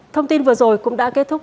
thông tin vừa rồi cũng đã kết thúc